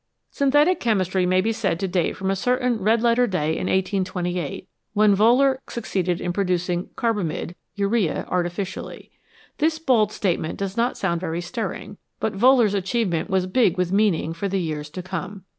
Synthetic chemistry may be said to date from a certain red letter day in 1828, when Wohler succeeded in pro ducing carbamide (urea) artificially. This bald statement does not sound very stirring, but Wohler's achievement was big with meaning for the years to come.